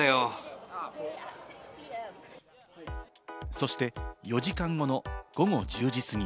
そして、４時間後の午後１０時過ぎ。